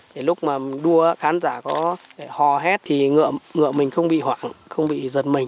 để lúc mà đua khán giả có hò hét thì ngựa mình không bị hoảng không bị giật mình